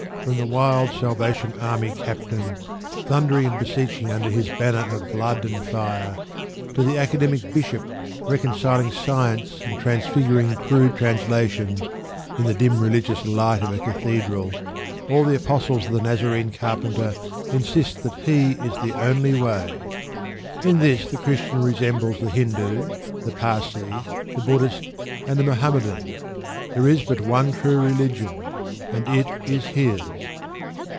From the wild Salvation Army captain, thundering and beseeching under his banner of blood and fire, to the academic Bishop reconciling science and transfiguring crude translations in the dim religious light of a cathedral, all the apostles of the Nazarene carpenter insist that He is the only way. In this the Christian resembles the Hindu, the Parsee, the Buddhist, and the Mohammedan. There is but one true religion, and it is his.